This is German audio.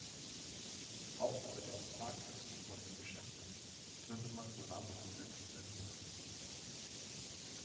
Auch über den Parkplätzen vor den Geschäften könnte man Solarmodule installieren.